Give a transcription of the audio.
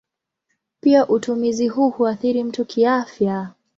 Pia utumizi huu huathiri mtu kiafya.